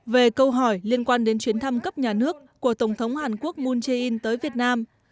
về câu hỏi liên quan đến chuyến thăm cấp nhà nước của tổng thống hàn quốc moon jae in tới việt nam